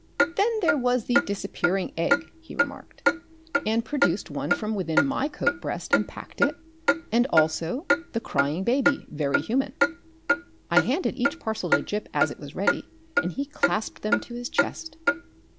"Then there was the Disappearing Egg," he remarked, and produced one from within my coat breast and packed it, and also The Crying Baby, Very Human. I handed each parcel to Gip as it was ready, and he clasped them to his chest.